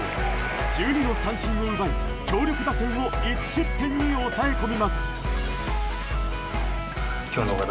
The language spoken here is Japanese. １２の三振を奪い、強力打線を１失点に抑え込みます。